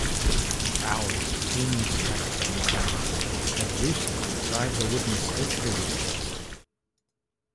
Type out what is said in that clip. Alice pins Paxton down and Lucy drives a wooden stake through his chest.